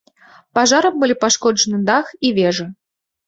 Пажарам былі пашкоджаны дах і вежы.